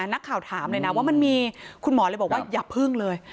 นักข่าวถามเลยนะว่ามันมีคุณหมอเลยบอกว่าอย่าพึ่งเลย